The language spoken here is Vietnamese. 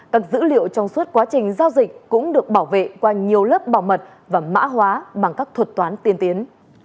các dữ liệu trong suốt quá trình giao dịch cũng được bảo vệ qua nhiều lớp bảo mật và mã hóa bằng các thuật toán tiên tiến